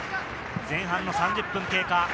前半の３０分経過。